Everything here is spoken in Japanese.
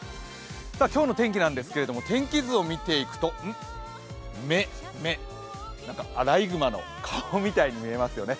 今日の天気なんですけど、天気図を見ていくと目、目なんかアライグマの顔みたいに見えますよね。